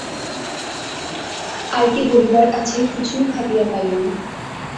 আর কী বলিবার আছে কিছুই ভাবিয়া পাইল না।